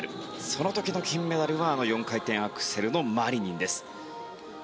その時の金メダルは４回転アクセルのマリニンです。